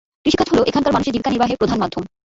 কৃষিকাজ হল এখানকার মানুষের জীবিকা নির্বাহের প্রধান মাধ্যম।